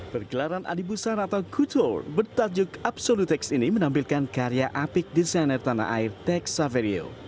pergelaran adibusan atau kutuar bertajuk absolutex ini menampilkan karya apik desainer tanah air tex saverio